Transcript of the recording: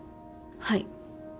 はい。